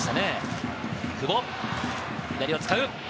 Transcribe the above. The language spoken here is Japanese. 久保、左を使う。